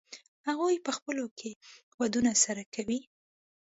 هغوی په خپلو کې ودونه سره کوي.